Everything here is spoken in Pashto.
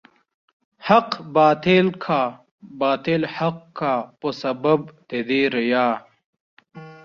حق باطل کا، باطل حق کا په سبب د دې ريا